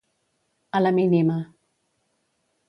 A la mínima.